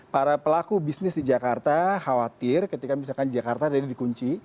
para pelaku bisnis di jakarta khawatir ketika misalkan jakarta ini dikunci